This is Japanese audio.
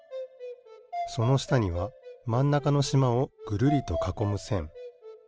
そのしたにはまんなかのしまをぐるりとかこむせん。